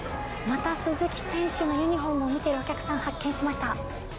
また鈴木選手のユニホームを見てるお客さん、発見しました。